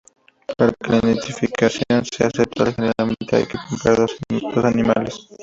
Para que la identificación sea aceptable, generalmente hay que comparar dos animales.